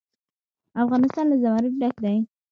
افغانستان له زمرد ډک دی.